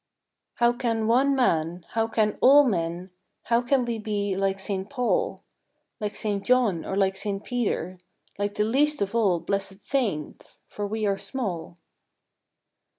T T OW can one man, how can all men, How can we be like St. Paul, Like St. John, or like St. Peter, Like the least of all Blessed Saints ? for we are small.